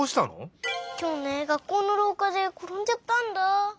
きょうね学校のろうかでころんじゃったんだ。